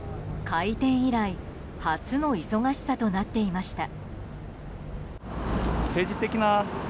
開店以来初の忙しさとなっていました。